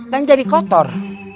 kan jadi kotor